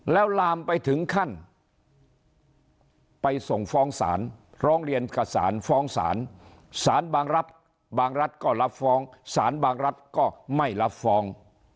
แล้วลามไปถึงขั้นไปส่งฟ้องศาลร้องเรียนกับสารฟ้องศาลศาลบางรับบางรัฐก็รับฟ้องสารบางรัฐก็ไม่รับฟ้อง